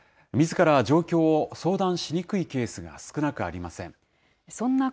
みずから状況を相談しにくいケースが少なくありません。